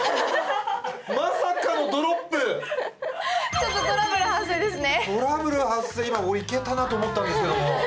ちょっとトラブル発生ですね。